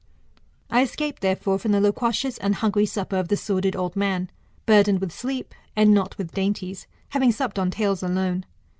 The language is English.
I escaped, therefore, from the loquacious and hungry supper of the sordid old man, burdened with sleep, and not with dainties, having supped on tales alone.